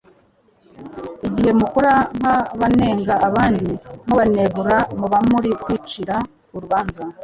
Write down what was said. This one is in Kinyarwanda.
Igihe mukora nk'abanenga abandi mubanegura muba muri kwicira urubanza